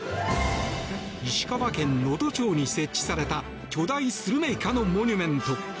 石川県能登町に設置された巨大スルメイカのモニュメント。